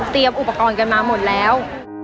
เตรียมอุปกรณ์กันมาหมดแล้ว